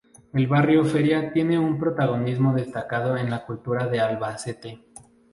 El barrio Feria tiene un protagonismo destacado en la cultura de Albacete.